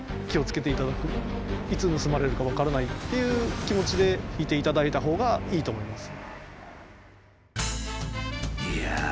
いつ盗まれるか分からないっていう気持ちでいていただいたほうがいいと思います。